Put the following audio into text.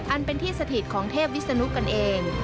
อันเป็นที่สถิตของเทพวิศนุกันเอง